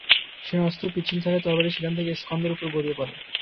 শিরস্ত্রাণ পিচ্ছিল থাকায় তরবারি সেখান থেকে স্কন্ধের উপর গড়িয়ে পড়ে।